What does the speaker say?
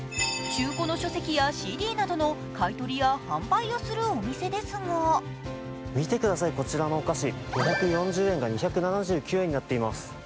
中古の書籍やＣＤなどの買取や販売をするお店ですが見てください、こちらのお菓子、５４０円が２７９円になっています。